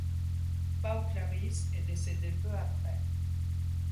Pau Claris est décédé peu après.